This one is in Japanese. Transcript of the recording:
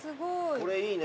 これいいね。